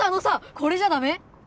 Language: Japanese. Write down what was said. これじゃダメ？